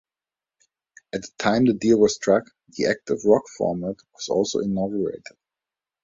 At the time the deal was struck, the active rock format was also inaugurated.